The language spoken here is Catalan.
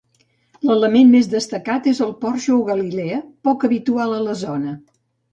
L'element més destacat és el porxo o galilea, poc habitual a la zona.